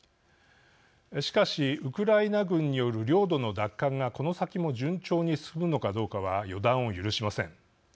しかし、ウクライナ軍による領土の奪還が、この先も順調に進むのかどうかは予断を許しません。